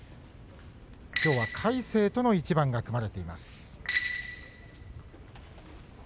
きょうは魁聖との一番が組まれています。